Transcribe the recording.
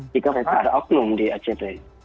jika memang ada oknum di act